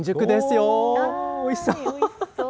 おいしそう。